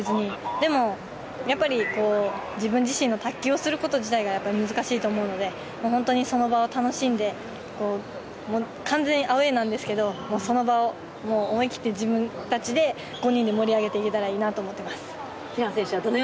でも、やっぱり自分自身の卓球をすること自体が難しいと思うので本当にその場を楽しんで、完全にアウェーなんですけど、その場を自分たち５人で盛り上げていけたらいいなと思います。